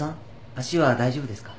足は大丈夫ですか？